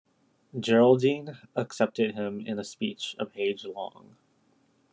Geraldine accepted him in a speech a page long.